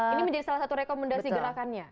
ini menjadi salah satu rekomendasi gerakannya